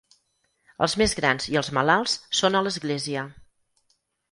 Els més grans i els malalts són a l'església.